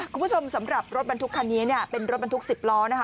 คุณผู้ชมสำหรับรถบรรทุกคันนี้เนี่ยเป็นรถบรรทุก๑๐ล้อนะคะ